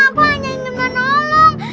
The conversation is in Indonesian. aku hanya ingin menolong